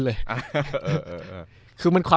โอ้โห